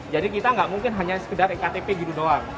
jadi kita nggak mungkin hanya sekedar e ktp gitu doang